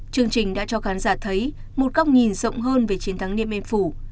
chương trình đã cho khán giả thấy một góc nhìn rộng hơn về chiến thắng điện biên phủ